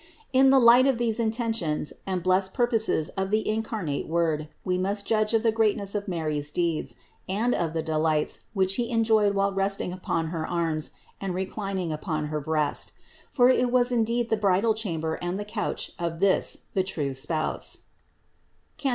In the light of these intentions and blessed purposes of the incarnate Word we must judge of the greatness of Mary's deeds, and of the delights, which He enjoyed while resting upon her arms and reclining upon her breast; for it was in deed the bridal chamber and the couch of this the true Spouse (Cant.